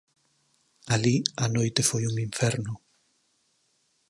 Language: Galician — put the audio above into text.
Alí a noite foi un inferno.